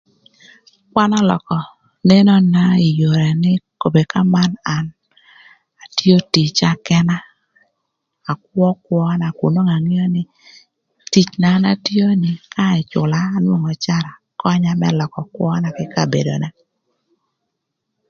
Kwan ölökö nenona ï yoo nï kobedini köman an atio ticna këna akwö kwöna kun nwongo angeo nï tic na an atio ni ka ëcüla anwongo öcara könya më lökö kwöna kï ï kabedona.